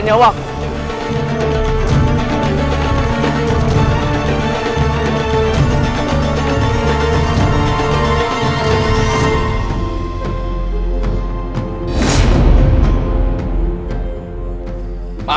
ndak ketering manik